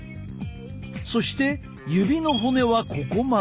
そして指の骨はここまで。